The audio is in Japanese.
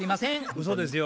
うそですよ。